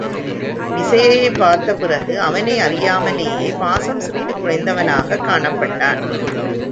விசயையைப் பார்த்த பிறகு அவனை அறியாமலேயே பாசம் சிறிது குறைந்தவனாகக் காணப் பட்டான்.